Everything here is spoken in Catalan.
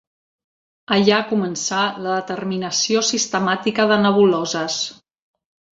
Allà començà la determinació sistemàtica de nebuloses.